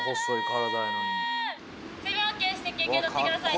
水分補給して休憩取って下さい。